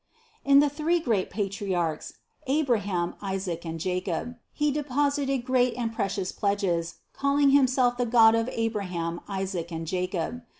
157. In the three great patriarchs, Abraham, Isaac and Jacob, He deposited great and precious pledges call ing Himself the God of Abraham, Isaac and Jacob.